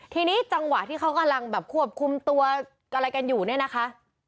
ทีนี้จังหวะที่เขากำลังแบบควบคุมตัวอะไรกันอยู่เนี่ยนะคะ